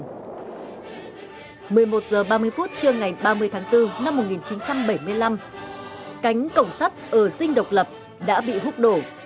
một mươi một h ba mươi phút trưa ngày ba mươi tháng bốn năm một nghìn chín trăm bảy mươi năm cánh cổng sắt ở dinh độc lập đã bị hút đổ